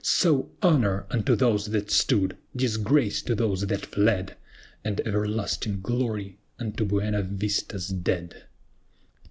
SO, HONOR UNTO THOSE THAT STOOD! DISGRACE TO THOSE THAT FLED! AND EVERLASTING GLORY UNTO BUENA VISTA'S DEAD!